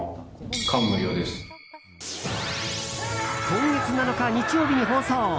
今月７日、日曜日に放送。